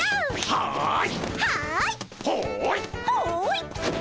はい！